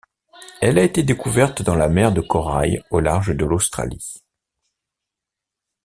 Elle a été découverte dans la mer de Corail au large de l'Australie.